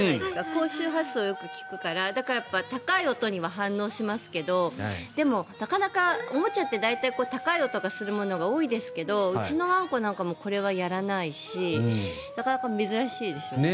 高周波数をよく聞くからやっぱり高い音には反応しますけどでも、なかなかおもちゃって大体、高い音がするものが多いですけどうちのワンコなんかもこれはやらないしなかなか珍しいですよね。